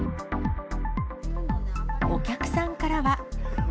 お客さんからは。